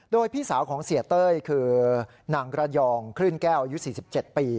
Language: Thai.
โดยพี่สาวของเสียเต้ยคือนางระยองคลื่นแก้วอายุ๔๗ปี